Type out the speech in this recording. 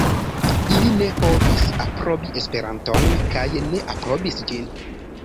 Ili ne povis aprobi Esperanton kaj ne aprobis ĝin.